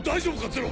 ゼロ。